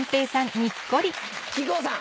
木久扇さん。